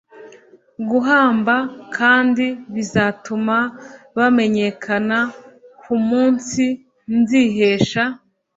guhamba kandi bizatuma bamenyekana ku munsi nzihesha